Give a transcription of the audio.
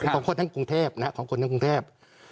ของคนทั้งกรุงเทพ